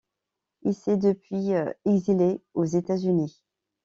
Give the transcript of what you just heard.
Il s'est depuis exilé aux États-Unis.